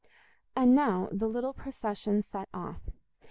And now the little procession set off.